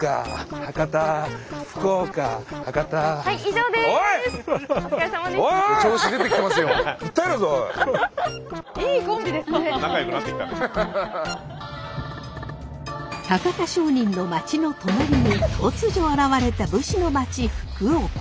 博多商人の町の隣に突如現れた武士の町・福岡。